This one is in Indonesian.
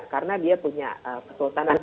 karena dia punya kesultanan